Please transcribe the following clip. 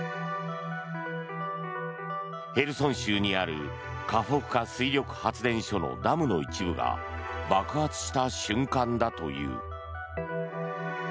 ヘルソン州にあるカホフカ水力発電所のダムの一部が爆発した瞬間だという。